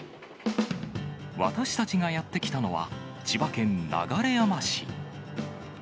私たちがやって来たのは、千葉県流山市。